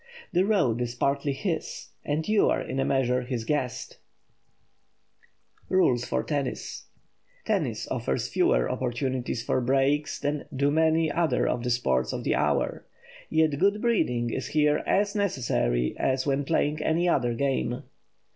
The road is partly his, and you are in a measure his guest. [Sidenote: RULES FOR TENNIS] Tennis offers fewer opportunities for "breaks" than do many other of the sports of the hour. Yet good breeding is here as necessary as when playing any other game.